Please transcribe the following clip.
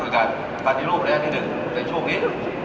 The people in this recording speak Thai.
การปฏิรูปในอาทิตย์หนึ่งในช่วงนี้